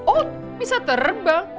oh bisa terbang